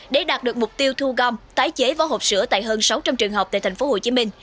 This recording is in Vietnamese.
để đạt được mục tiêu thu gom tái chế vỏ hộp sữa tại hơn sáu trăm linh trường học tại thành phố hồ chí minh